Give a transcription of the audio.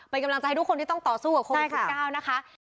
เป็นกำลังใจให้ทุกคนที่ต้องต่อสู้กับโควิด๑๙นะคะ